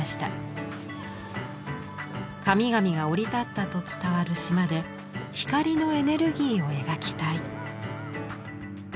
神々が降り立ったと伝わる島で光のエネルギーを描きたい。